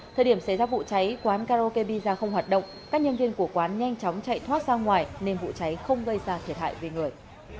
thời điểm xảy ra vụ cháy quán karaoke pizza không hoạt động các nhân viên của quán nhanh chóng chạy thoát ra ngoài nên vụ cháy không gây ra thiệt hại về người